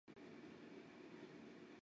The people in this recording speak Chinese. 加速医疗院所工程